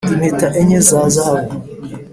impeta enye za zahabu